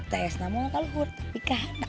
teh esnamu lakal hur tapi kahanak mbah